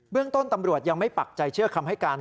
เรื่องต้นตำรวจยังไม่ปักใจเชื่อคำให้การ